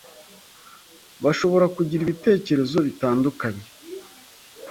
bashobora kugira ibitekerezo bitandukanye